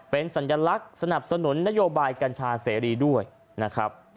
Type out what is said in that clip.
เป็นสัญลักษณ์สนับสนุนนโยบายกัญชาเสรีด้วยนะครับ